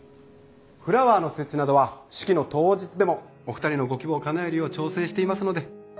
フラワーの設置などは式の当日でもお二人のご希望をかなえるよう調整していますので